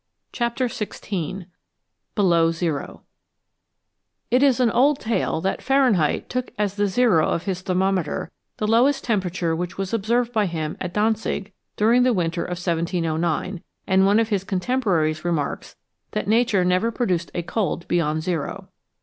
179 CHAPTER XVI BELOW ZERO IT is an old tale that Fahrenheit took as the zero of his thermometer the lowest temperature which was observed by him at Dantzic during the winter of 1709, and one of his contemporaries remarks that Nature never produced a cold beyond zero.